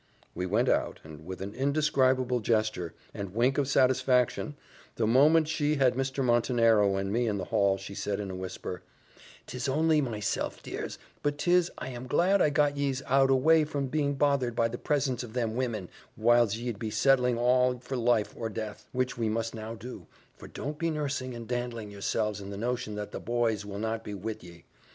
We went out, and with an indescribable gesture, and wink of satisfaction, the moment she had Mr. Montenero and me in the hall, she said in a whisper, "'Tis only myself, dears, but 'tis I am glad I got yees out away from being bothered by the presence of them women, whiles ye'd be settling all for life or death, which we must now do for don't be nursing and dandling yourselves in the notion that the boys will not be wid ye.